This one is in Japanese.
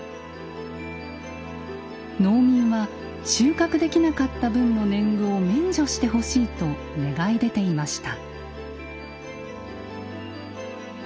農民は収穫できなかった分の年貢を免除してほしいと願い出ていました。